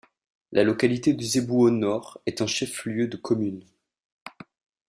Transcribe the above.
La localité de Zébouo Nord est un chef-lieu de commune.